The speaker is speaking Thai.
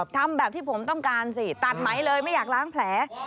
ทำแบบที่ผมต้องการสิตัดไหมเลยไม่อยากล้างแผล